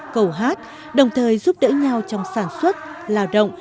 câu hát đồng thời giúp đỡ nhau trong sản xuất lao động